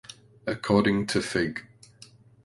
According to Fig.